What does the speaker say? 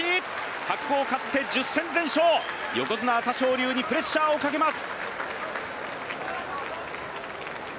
白鵬勝って１０戦全勝横綱・朝青龍にプレッシャーをかけます